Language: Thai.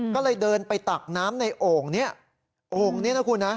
ก็เลยเดินไปตักน้ำในโอ่งนี้โอ่งนี้นะคุณนะ